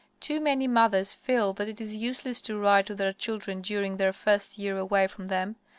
Too many mothers feel that it is useless to write to their children during their first year away from them.